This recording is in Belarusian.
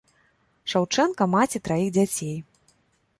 Шаўчэнка маці траіх дзяцей.